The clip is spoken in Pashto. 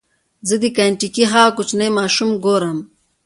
زه د کینټکي هغه کوچنی ماشوم ګورم.